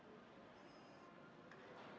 terima kasih pak